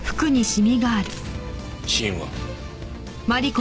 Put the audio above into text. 死因は？